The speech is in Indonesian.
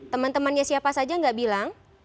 teman temannya siapa saja nggak bilang